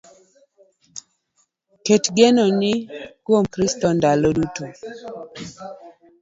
Ket genoni kuom Kristo ndalo duto